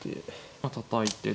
たたいて。